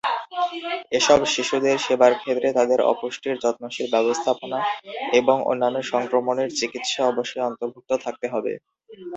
এসব শিশুদের সেবার ক্ষেত্রে তাদের অপুষ্টির যত্নশীল ব্যবস্থাপনা এবং অন্যান্য সংক্রমণের চিকিৎসা অবশ্যই অন্তর্ভুক্ত থাকতে হবে।